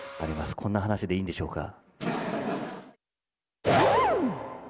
こんな話でいいんでしょうか。